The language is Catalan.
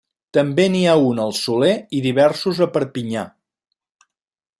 També n'hi ha un al Soler i diversos a Perpinyà.